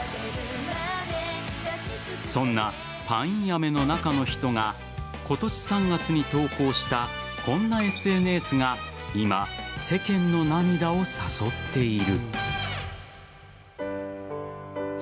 そんなパインアメの中の人が今年３月に投稿したこんなＳＮＳが今、世間の涙を誘っている。